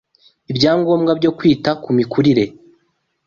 ibyangombwa byo kwita ku mikurire